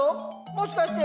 もしかして。